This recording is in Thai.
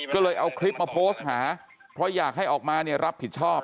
ก็เลยเอาคลิปมาโพสต์หาเพราะอยากให้ออกมาเนี่ยรับผิดชอบ